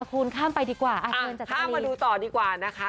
คุณข้ามไปดีกว่าข้ามมาดูต่อดีกว่านะคะ